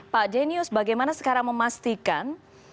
pak jenius bagaimana sekarang memastikan